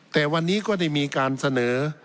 แต่วันนี้ก็ได้มีการเสนอ